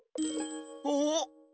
お。